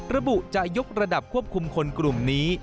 ระบุจะยกระดับควบคุมคนกลุ่มนี้